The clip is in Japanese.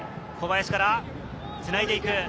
小林からつないでいく。